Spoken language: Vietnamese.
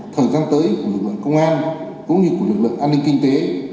thời gian tới của lực lượng công an cũng như của lực lượng an ninh kinh tế